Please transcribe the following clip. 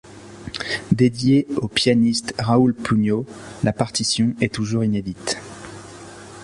Dédiée au pianiste Raoul Pugno, la partition est toujours inédite.